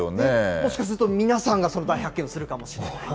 もしかすると皆さんがその大発見するかもしれない。